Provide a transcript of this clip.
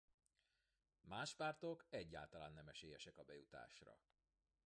Más pártok egyáltalán nem esélyesek a bejutásra.